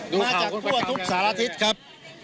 มาจากทั่วทุกสารทิศครับ